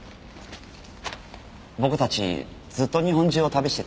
僕たちずっと日本中を旅してて。